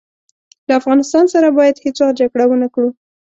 له افغانستان سره باید هیڅ وخت جګړه ونه کړو.